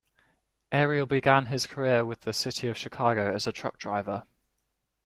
Ariel began his career with the City of Chicago as a truck driver.